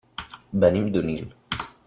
Venim d'Onil.